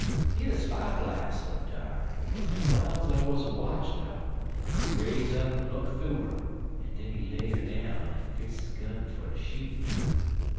He had a spy glass up dar, en w'iles I wuz a watchin' un 'im, he raise 'er up en look thoo 'er, en den he lay 'er down en fix his gun fer ter shoot.